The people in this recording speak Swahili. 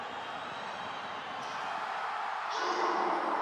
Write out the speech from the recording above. Maisha ya Wamasai yanahusiana sana na ngombe ambao huwa msingi wa chakula chao